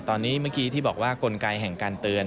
ตอนนี้เมื่อกี้ที่บอกว่ากลไกแห่งการเตือน